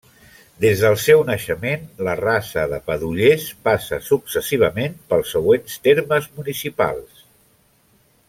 Des del seu naixement, la Rasa de Padollers passa successivament pels següents termes municipals.